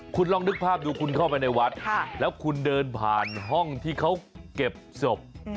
คุณลองนึกภาพดูคุณเข้าไปในวัดแล้วคุณเดินผ่านห้องที่เขาเก็บศพ